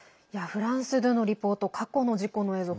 フランス２のリポート過去の事故の映像